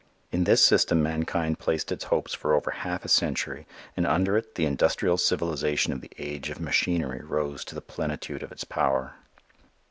In this system mankind placed its hopes for over half a century and under it the industrial civilization of the age of machinery rose to the plenitude of its power.